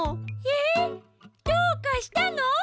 えっどうかしたの？